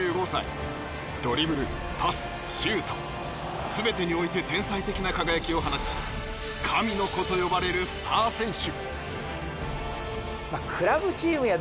ドリブルパスシュート全てにおいて天才的な輝きを放ち神の子と呼ばれるスター選手。